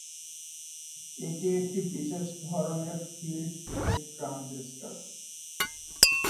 এটি একটি বিশেষ ধরনের ফিল্ড ইফেক্ট ট্রানজিস্টর।